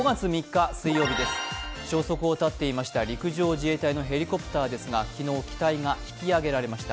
消息を絶っていました陸上自衛隊のヘリコプターですが、昨日、機体が引き揚げられました。